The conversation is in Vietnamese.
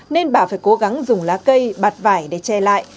nên bà phải cố gắng dùng lá cây bạt vải để che lại